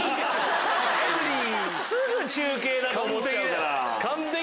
すぐ中継だと思っちゃうから。